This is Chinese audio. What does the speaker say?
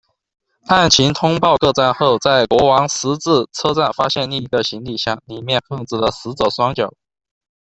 案情通报各站后，在国王十字车站发现另一个行李箱，里面放置了死者双脚。